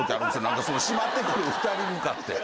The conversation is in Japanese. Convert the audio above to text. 何かその閉まってくる蓋に向かって。